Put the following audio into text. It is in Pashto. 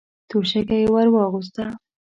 توشکه يې ور واخيسته.